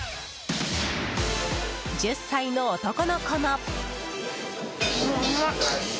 １０歳の男の子も。